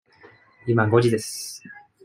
今、五時です。